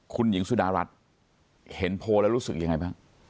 คุณหญิงสุดารัฐเห็นโพลแล้วรู้สึกยังไงบ้าง